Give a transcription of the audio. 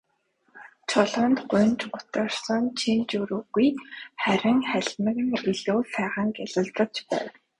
Чулуунд гуньж гутарсан шинж ер үгүй, харин халимаг нь илүү сайхан гялалзаж байв.